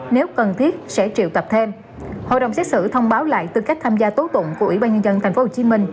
nếu cần thiết sẽ triệu tập thêm hội đồng xét xử thông báo lại tư cách tham gia tố tụng của ủy ban nhân dân tp hcm